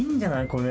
これ。